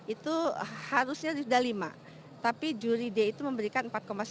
itu harusnya sudah lima tapi juri d itu memberikan empat sembilan